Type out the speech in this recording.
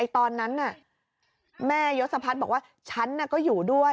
ตอนนั้นแม่ยศพัฒน์บอกว่าฉันก็อยู่ด้วย